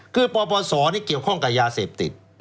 คือปปศเกี่ยวข้องกับยาเสพติด